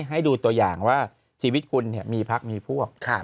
ให้ดูตัวอย่างว่าชีวิตคุณมีพักมีพวก